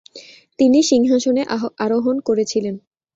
তিনি সিংহাসনে আরোহণ করেছিলেন।